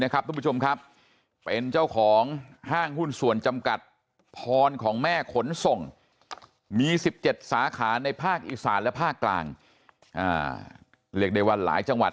ของแม่ขนส่งมี๑๗สาขาในภาคอิสานและภาคกลางหลายจังหวัด